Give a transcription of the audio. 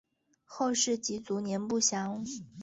后事及卒年不详。